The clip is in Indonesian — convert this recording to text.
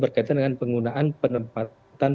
berkaitan dengan penggunaan penempatan